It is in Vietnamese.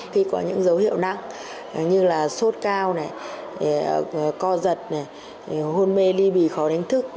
khi có những dấu hiệu nặng như là sốt cao co giật hôn mê ly bì khó đánh thức